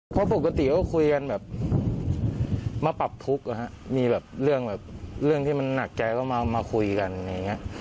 เพราะปกติก็คุยกันแบบมาปรับทุกข์มีแบบเรื่องแบบเรื่องที่มันหนักใจก็มาคุยกันอะไรอย่างนี้